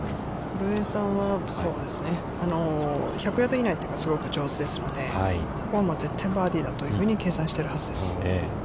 古江さんは、そうですね、１００ヤード以内というのがすごく上手ですので、絶対バーディーだと計算しているはずです。